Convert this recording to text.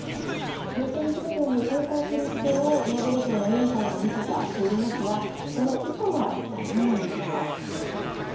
プーチン政権に抵抗する姿勢をノーベル賞の委員会が見せたといえますがその意図は一体、何なんでしょうか。